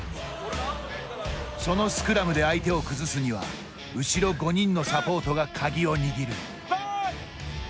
そのスクラムで相手を崩すには後ろ５人のサポートが鍵を握る。